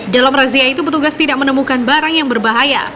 dalam razia itu petugas tidak menemukan barang yang berbahaya